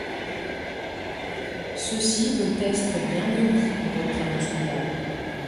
Cecy veult estre bien meury, reprint le souldard.